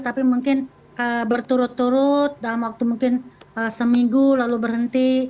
tapi mungkin berturut turut dalam waktu mungkin seminggu lalu berhenti